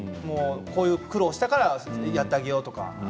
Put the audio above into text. こういう苦労をしたからやってあげようとか。